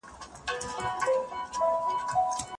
ماهر به په ارزونه کي غلطي نه وي کړې.